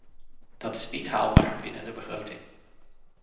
Dat is niet haalbaar binnen de begroting.